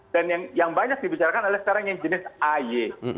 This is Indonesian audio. dan yang banyak dibicarakan adalah sekarang yang jenis ay